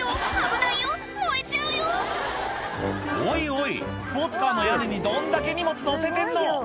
危ないよ燃えちゃうよおいおいスポーツカーの屋根にどんだけ荷物載せてんの！